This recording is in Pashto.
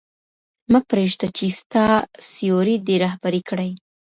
مه پرېږده چې ستا سیوری دې رهبري کړي.